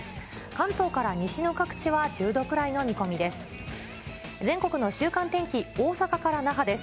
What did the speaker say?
関東から西の各地は１０度ぐらいの見込みです。